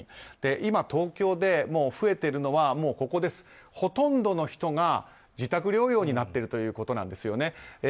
今、東京で増えているのはほとんどの人が自宅療養になっているということなんですよね。